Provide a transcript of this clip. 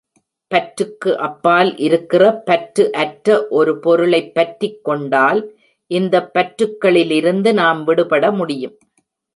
பற்றுக்கு அப்பால் இருக்கிற, பற்று அற்ற, ஒரு பொருளை பற்றிக் கொண்டால், இந்தப் பற்றுக்களிலிருந்து நாம் விடுபட முடியும்.